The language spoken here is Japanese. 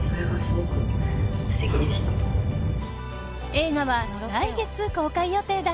映画は来月公開予定だ。